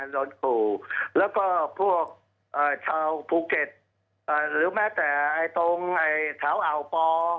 และก็พวกชาวภูเก็ตหรือแม้แต่ไอ้ตรงไอ้แถวอ่าวปอ